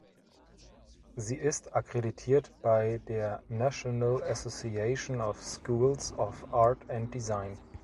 Sie ist akkreditiert bei der National Association of Schools of Art and Design.